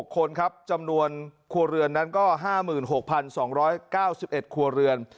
๖คนครับจำนวนครัวเรือนนั้นก็๕๖๒๙๑ครัวเรือน